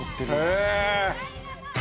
へえ。